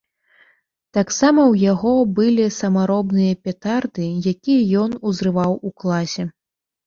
Таксама ў яго былі самаробныя петарды, якія ён узрываў у класе.